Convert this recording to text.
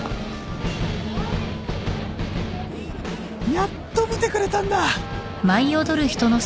「やっと見てくれたんだ！！」